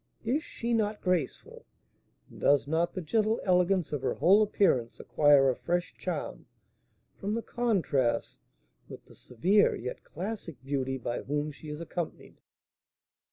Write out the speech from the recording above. Is she not graceful? And does not the gentle elegance of her whole appearance acquire a fresh charm, from the contrast with the severe yet classic beauty by whom she is accompanied?"